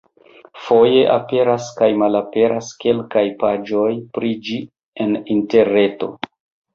Foje aperas kaj malaperas kelkaj paĝoj pri ĝi en interreto.